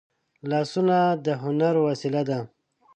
لاسونه د هنر وسیله ده